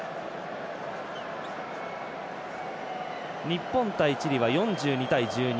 日本対チリは４２対１２